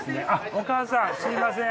お母さんすいません。